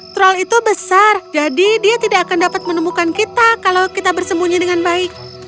troll itu besar jadi dia tidak akan dapat menemukan kita kalau kita bersembunyi dengan baik